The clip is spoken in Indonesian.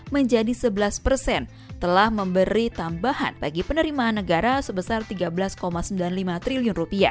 menjadi sebelas persen telah memberi tambahan bagi penerimaan negara sebesar rp tiga belas sembilan puluh lima triliun